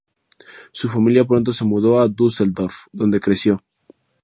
Su familia pronto se mudó a Düsseldorf donde creció.